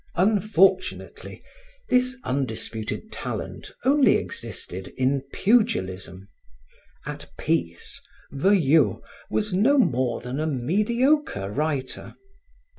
Unfortunately, this undisputed talent only existed in pugilism. At peace, Veuillot was no more than a mediocre writer.